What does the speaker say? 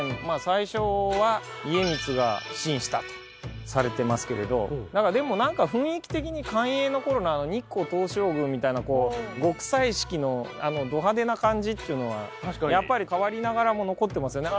最初は家光が寄進したとされていますけれどでも雰囲気的に寛永の頃の日光東照宮みたいな極彩色のド派手な感じっていうのはやっぱり変わりながらも残ってますよね